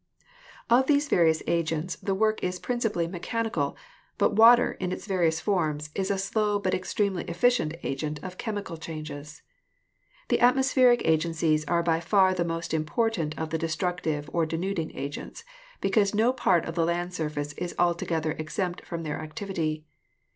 Of these various agents the work is principally mechanical, 128 DESTRUCTIVE AGENCIES 129 but water, in its various forms, is a slow but extremely efficient agent of chemical changes. The atmospheric agencies are by far the most important of the destructive or denuding agents, because no part of the land surface is altogether exempt from their activity.